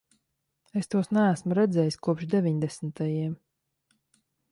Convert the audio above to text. Es tos neesmu redzējis kopš deviņdesmitajiem.